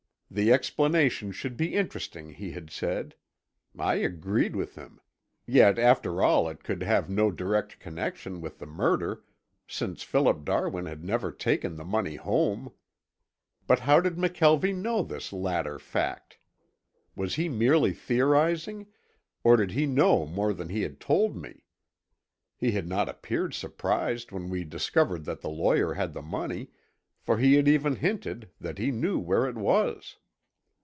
The explanation should be interesting he had said. I agreed with him, yet after all it could have no direct connection with the murder, since Philip Darwin had never taken the money home. But how did McKelvie know this latter fact? Was he merely theorizing, or did he know more than he had told me? He had not appeared surprised when we discovered that the lawyer had the money, for he had even hinted that he knew where it was.